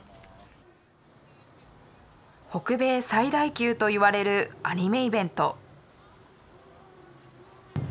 北米最大級といわれるアニメイベント。